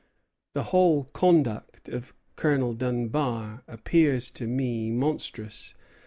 The whole conduct of Colonel Dunbar appears to me monstrous....